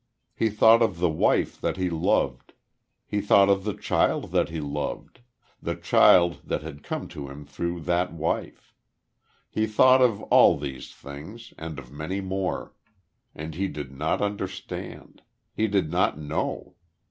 He thought of the wife that he loved. He thought of the child that he loved the child that had come to him through that wife. He thought of all these things, and of many more; and he did not understand; he did not know.